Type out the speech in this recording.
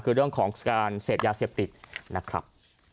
คือเรื่องของการเสพยาเสพติดนะครับ